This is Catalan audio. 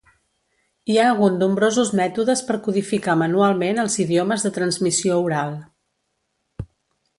Hi ha hagut nombrosos mètodes per codificar manualment els idiomes de transmissió oral.